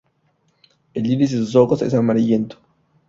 El iris de sus ojos es amarillento.